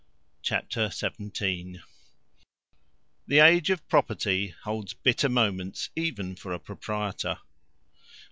Chapter 17 The Age of Property holds bitter moments even for a proprietor.